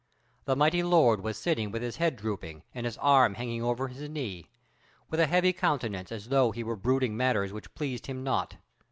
The mighty lord was sitting with his head drooping, and his arm hanging over his knee, with a heavy countenance as though he were brooding matters which pleased him naught.